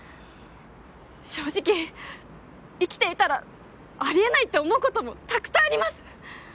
正直生きていたらあり得ないって思うこともたくさんあります！